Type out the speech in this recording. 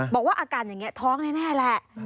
บอกว่าอาการอย่างนี้ท้องแน่แหละ